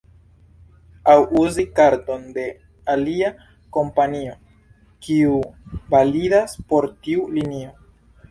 Aŭ uzi karton de alia kompanio, kiu validas por tiu linio.